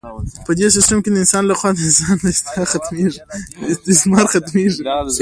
په دې سیستم کې د انسان لخوا د انسان استثمار ختمیږي.